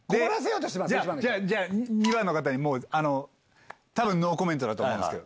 ２番の方に多分ノーコメントだと思うんですけど。